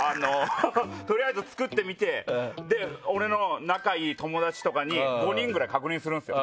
とりあえず作ってみて俺の仲いい友達とかに５人ぐらい確認するんですよ。